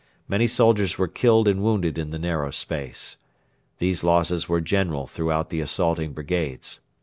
Many soldiers were killed and wounded in the narrow space. These losses were general throughout the assaulting brigades.